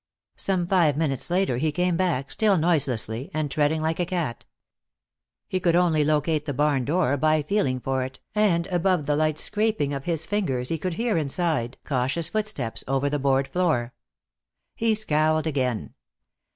Some five minutes later he came back, still noiselessly, and treading like a cat. He could only locate the barn door by feeling for it, and above the light scraping of his fingers he could hear, inside, cautious footsteps over the board floor. He scowled again.